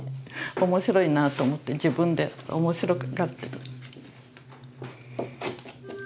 面白いなぁと思って自分で面白がってる。